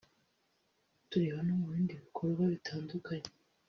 tureba no mu bindi bikorwa bitandukanye